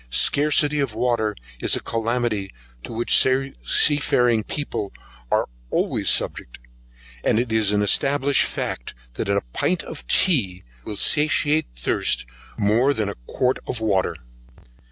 Scarcity of water is a calamity to which seafaring people are always subject; and it is an established fact, that a pint of tea will satiate thirst more than a quart of water.